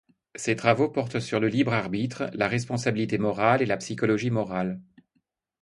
Ses travaux portent sur le libre arbitre, la responsabilité morale et la psychologie morale.